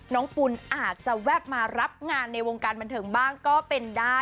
ปุ่นอาจจะแวบมารับงานในวงการบันเทิงบ้างก็เป็นได้